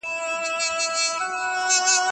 آیا د دغې ناروغۍ لپاره واکسین شتون لري؟